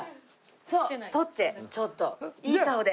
そう撮ってちょっといい顔で。